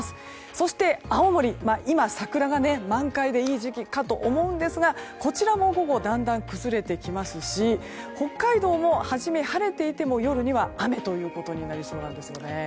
そして、青森は今、桜が満開でいい時期かと思うんですがこちらも午後だんだんと崩れてきますし北海道も初め、晴れていても夜には雨ということになりそうなんです。